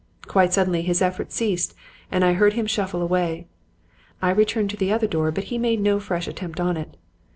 "Quite suddenly his efforts ceased and I heard him shuffle away. I returned to the other door, but he made no fresh attempt on it.